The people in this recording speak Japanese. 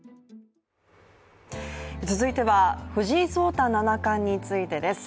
続いては、藤井聡太七冠についてです。